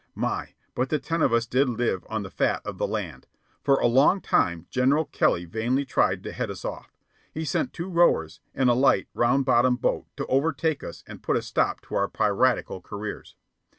My, but the ten of us did live on the fat of the land! For a long time General Kelly vainly tried to head us off. He sent two rowers, in a light, round bottomed boat, to overtake us and put a stop to our piratical careers.